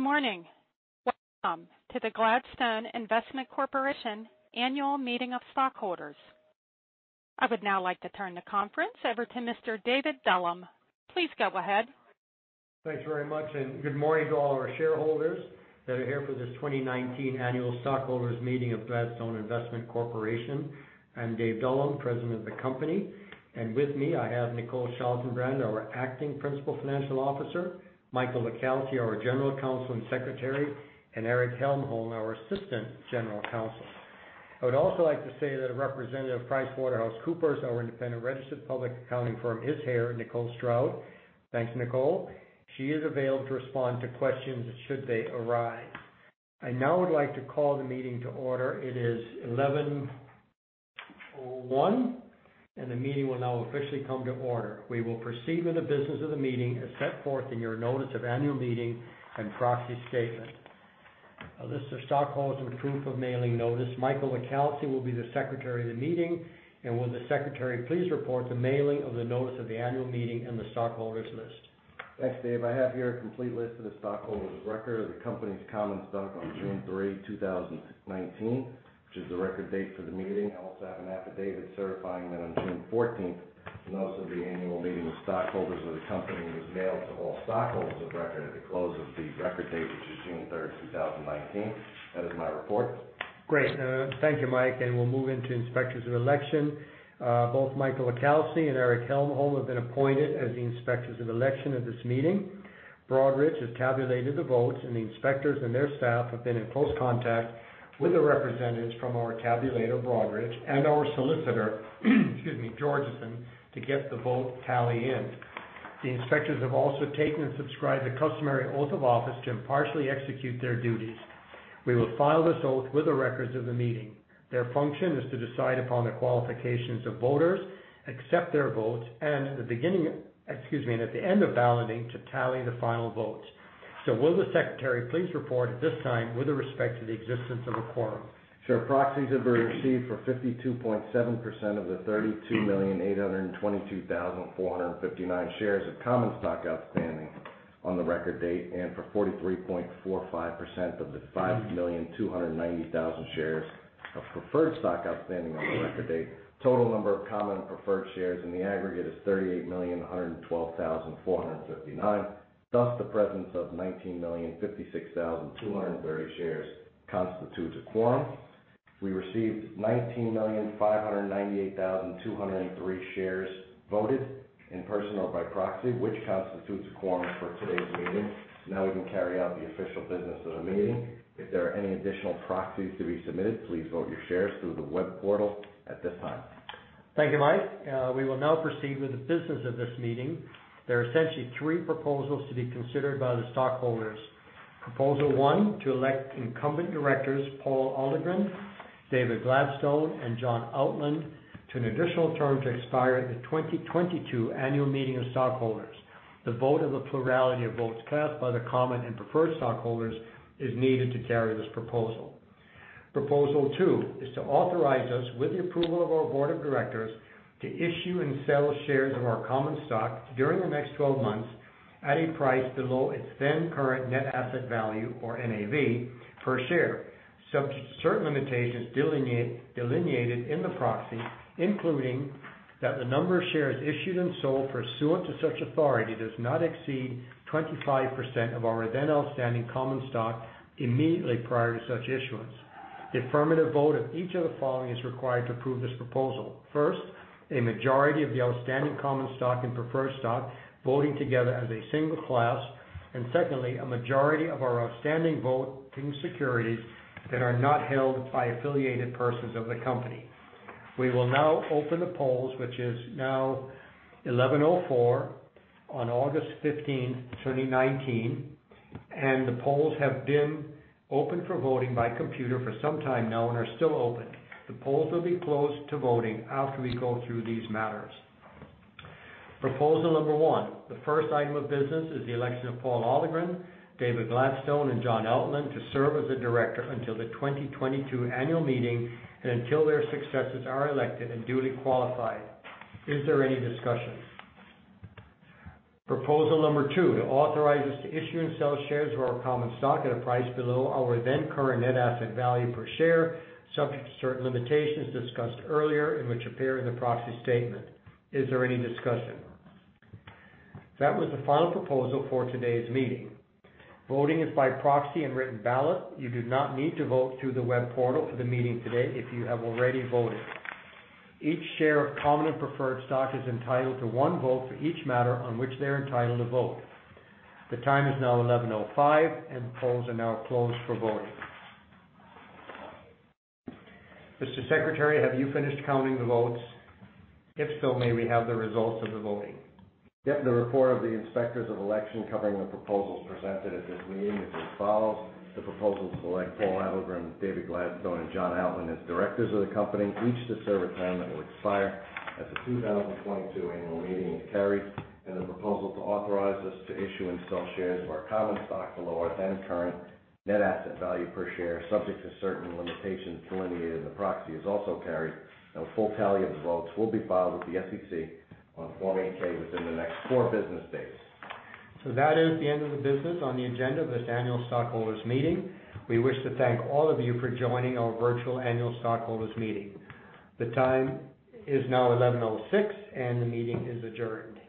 Good morning. Welcome to the Gladstone Investment Corporation annual meeting of stockholders. I would now like to turn the conference over to Mr. David Dullum. Please go ahead. Thanks very much, and good morning to all our shareholders that are here for this 2019 annual stockholders meeting of Gladstone Investment Corporation. I'm David Dullum, President of the company. With me, I have Nicole Schaltenbrand, our Acting Principal Financial Officer, Michael LiCalsi, our General Counsel and Secretary, and Erich Hellmold, our Assistant General Counsel. I would also like to say that a representative of PricewaterhouseCoopers, our independent registered public accounting firm, is here, Nicole Schaltenbrand. Thanks, Nicole. She is available to respond to questions should they arise. I now would like to call the meeting to order. It is 11:01, and the meeting will now officially come to order. We will proceed with the business of the meeting as set forth in your notice of annual meeting and proxy statement. A list of stockholders and proof of mailing notice. Michael LiCalsi will be the Secretary of the meeting. Will the secretary please report the mailing of the notice of the annual meeting and the stockholders list. Thanks, Dave. I have here a complete list of the stockholders of record of the company's common stock on June 3rd, 2019, which is the record date for the meeting. I also have an affidavit certifying that on June 14th, notice of the annual meeting of stockholders of the company was mailed to all stockholders of record at the close of the record date, which is June 3rd, 2019. That is my report. Great. Thank you, Mike. We'll move into inspectors of election. Both Michael LiCalsi and Erich Hellmold have been appointed as the inspectors of election at this meeting. Broadridge has tabulated the votes, and the inspectors and their staff have been in close contact with the representatives from our tabulator, Broadridge, and our solicitor, excuse me, Georgeson, to get the vote tally in. The inspectors have also taken and subscribed the customary oath of office to impartially execute their duties. We will file this oath with the records of the meeting. Their function is to decide upon the qualifications of voters, accept their votes, excuse me, and at the end of balloting, to tally the final votes. Will the secretary please report at this time with respect to the existence of a quorum. Sure. Proxies have been received for 52.7% of the 32,822,459 shares of common stock outstanding on the record date, and for 43.45% of the 5,290,000 shares of preferred stock outstanding on the record date. Total number of common and preferred shares in the aggregate is 38,112,459. Thus, the presence of 19,056,230 shares constitutes a quorum. We received 19,598,203 shares voted in person or by proxy, which constitutes a quorum for today's meeting. We can carry out the official business of the meeting. If there are any additional proxies to be submitted, please vote your shares through the web portal at this time. Thank you, Mike. We will now proceed with the business of this meeting. There are essentially three proposals to be considered by the stockholders. Proposal one, to elect incumbent directors Paul Ahlgren, David Gladstone, and John Outland to an additional term to expire at the 2022 annual meeting of stockholders. The vote of the plurality of votes cast by the common and preferred stockholders is needed to carry this proposal. Proposal two is to authorize us, with the approval of our board of directors, to issue and sell shares of our common stock during the next 12 months at a price below its then current net asset value, or NAV, per share, subject to certain limitations delineated in the proxy, including that the number of shares issued and sold pursuant to such authority does not exceed 25% of our then outstanding common stock immediately prior to such issuance. The affirmative vote of each of the following is required to approve this proposal. First, a majority of the outstanding common stock and preferred stock voting together as a single class. Secondly, a majority of our outstanding voting securities that are not held by affiliated persons of the company. We will now open the polls, which is now 11:04 on August 15th, 2019, and the polls have been open for voting by computer for some time now and are still open. The polls will be closed to voting after we go through these matters. Proposal number one, the first item of business is the election of Paul Ahlgren, David Gladstone, and John H. Outland to serve as a director until the 2022 annual meeting and until their successors are elected and duly qualified. Is there any discussion? Proposal number two, it authorize us to issue and sell shares of our common stock at a price below our then current net asset value per share, subject to certain limitations discussed earlier and which appear in the proxy statement. Is there any discussion? That was the final proposal for today's meeting. Voting is by proxy and written ballot. You do not need to vote through the web portal for the meeting today if you have already voted. Each share of common and preferred stock is entitled to one vote for each matter on which they are entitled to vote. The time is now 11:05 A.M. The polls are now closed for voting. Mr. Secretary, have you finished counting the votes? If so, may we have the results of the voting? Yes, the report of the inspectors of election covering the proposals presented at this meeting is as follows: the proposals to elect Paul Ahlgren, David Gladstone, and John Outland as directors of the company, each to serve a term that will expire at the 2022 annual meeting is carried, and the proposal to authorize us to issue and sell shares of our common stock below our then current net asset value per share, subject to certain limitations delineated in the proxy is also carried. A full tally of the votes will be filed with the SEC on Form 8-K within the next four business days. That is the end of the business on the agenda of this annual stockholders meeting. We wish to thank all of you for joining our virtual annual stockholders meeting. The time is now 11:06 A.M. and the meeting is adjourned.